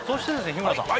日村さん